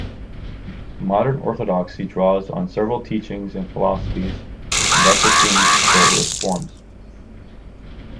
Modern Orthodoxy draws on several teachings and philosophies, and thus assumes various forms.